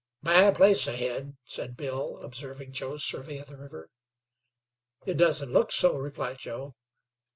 "Bad place ahead," said Bill, observing Joe's survey of the river. "It doesn't look so," replied Joe.